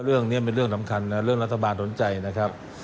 เรื่องนี้เป็นเรื่องสำคัญนะเรื่องรัฐบาลสนใจนะครับ